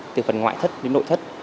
từ phần ngoại thất đến nội thất